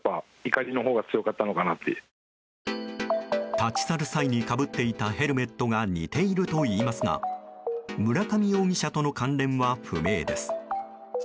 立ち去る際にかぶっていたヘルメットが似ているといいますが村上容疑者との関連は不明です。